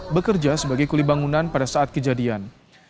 bekerja sebagai kulibangunan pada saat kejadian